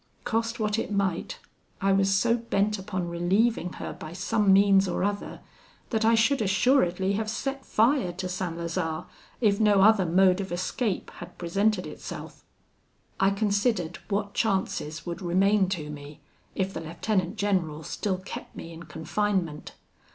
Cost what it might, I was so bent upon relieving her by some means or other, that I should assuredly have set fire to St. Lazare, if no other mode of escape had presented itself. "I considered what chances would remain to me if the lieutenant general still kept me in confinement.